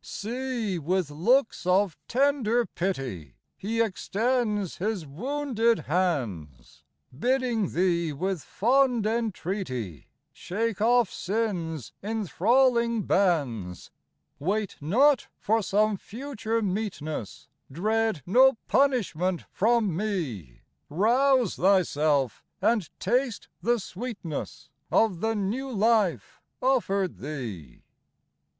74 See, with looks of tender pity He extends His wounded hands, Bidding thee with fond entreaty, Shake off sin's inthralling bands :" Wait not for some future meetness, Dread no punishment from Me : Rouse thyself, and taste the sweetness Of the new life offered thee."